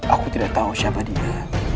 aku tidak tahu siapa dia